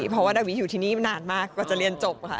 เพราะว่าดาวิอยู่ที่นี่มานานมากกว่าจะเรียนจบค่ะ